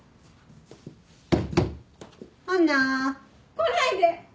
来ないで！